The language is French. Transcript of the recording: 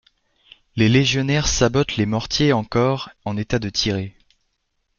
Les légionnaires sabotent les mortiers encore en état de tirer.